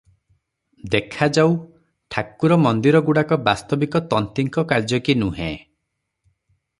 ଦେଖାଯାଉ, ଠାକୁର ମନ୍ଦିରଗୁଡ଼ାକ ବାସ୍ତବିକ ତନ୍ତୀଙ୍କ କାର୍ଯ୍ୟକି ନୁହେଁ ।